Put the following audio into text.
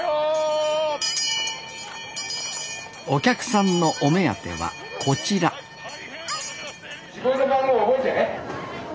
お客さんのお目当てはこちら自分の番号覚えてね。